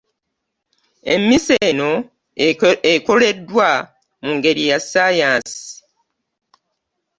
Emmisa eno ekoleddwa mu ngeri ya Ssaayansi